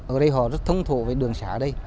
ở đây họ rất thông thổ với đường xã ở đây